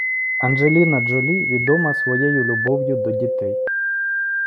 Анджеліна Джолі відома своєю любов'ю до дітей.